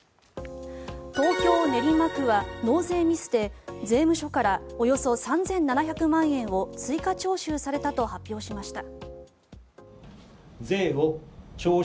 東京・練馬区は納税ミスで税務署からおよそ３７００万円を追加徴収されたと発表しました。